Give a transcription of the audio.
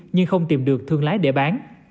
nhưng không tìm được thương lái để bán